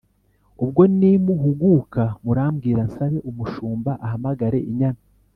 ubwo nimuhuguka murambwira nsabe umushumba ahamagare inyana